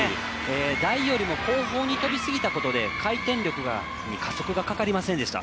台よりも後方に飛びすぎたことで回転力に加速がかかりませんでした。